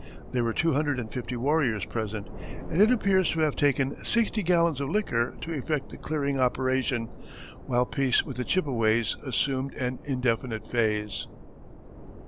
There were two hundred and fifty warriors present, and it appears to have taken sixty gallons of liquor to effect the clearing operation, while peace with the Chippeways assumed an indefinite phase.